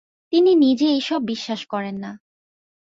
তিনি নিজে এইসব বিশ্বাস করেন না।